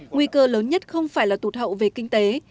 nguy cơ lớn nhất không phải là tụt hậu về kinh tế